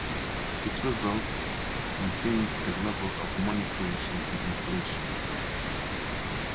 This results in significant levels of money creation and inflation.